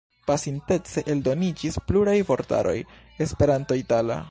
Pasintece eldoniĝis pluraj vortaroj Esperanto-itala.